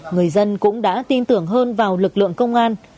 người dân cũng đã tin tưởng hơn vào lực lượng công an